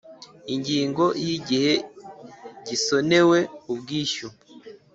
Ingingo ya Igihe gisonewe ubwishyu